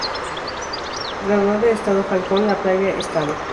Graduada Estado Falcón La Playa, Edo.